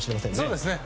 そうですね。